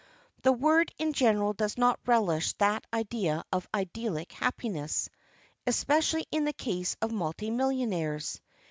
The world in general does not relish that idea of idyllic happiness especially in the case of multi millionaires.